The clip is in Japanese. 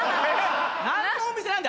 何のお店なんだ？